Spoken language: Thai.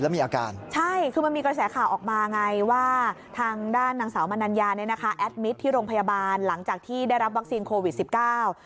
เราก็นึกถึงทางรัฐมนตรีช่วยว่าการกระทรวงเกษตรและสหกร